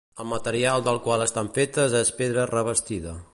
El material del qual estan fetes és pedra revestida.